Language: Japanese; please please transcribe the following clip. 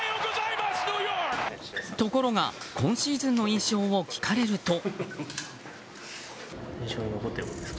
ところが今シーズンの印象を聞かれると。